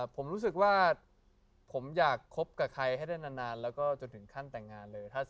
ผมรู้สึกว่าผมอยากคบกับใครให้ได้นานแล้วก็จนถึงขั้นแต่งงานเลย